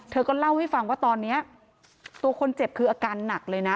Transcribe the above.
เธอก็เล่าให้ฟังว่าตอนนี้ตัวคนเจ็บคืออาการหนักเลยนะ